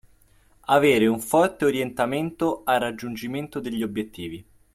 Avere un forte orientamento al raggiungimento degli obiettivi